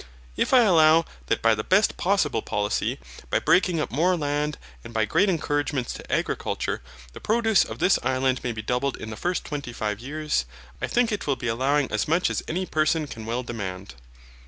If I allow that by the best possible policy, by breaking up more land and by great encouragements to agriculture, the produce of this Island may be doubled in the first twenty five years, I think it will be allowing as much as any person can well demand.